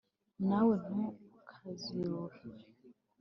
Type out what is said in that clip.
Na we ntukaziruhe,